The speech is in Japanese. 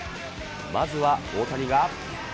まずは大谷が。